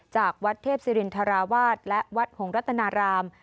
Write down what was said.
จากวัดเทพศิรินทราวาสและวัดหงรัตนาราม